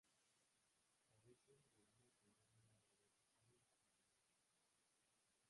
A veces llegando a tener una organización independiente.